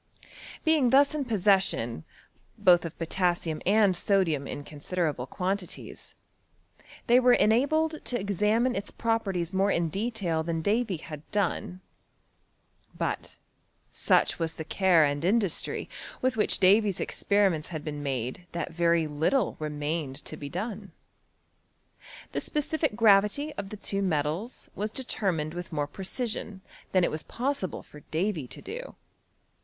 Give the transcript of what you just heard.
Being thus in possession, both of potassium and sodium in considerable quantities, they were en abled to examine its properties more in detail than Davy had done : but such was the care and in dustry with which Davy's experiments had been made that very little remained to be done. The specific gravity of the two metals was determined with more precision than it was possible for Davy to do.